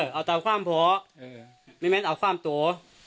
เอ่อเอาถ้าความพอไม่แม้จำอย่างตัว